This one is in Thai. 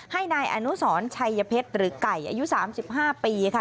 ให้นายอนุสรชัยเพชรหรือไก่อายุ๓๕ปีค่ะ